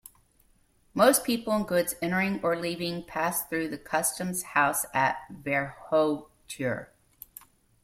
Most people and goods entering or leaving passed through the customs house at Verkhoturye.